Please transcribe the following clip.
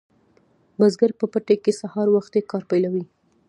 بزګر په پټي کې سهار وختي کار پیلوي.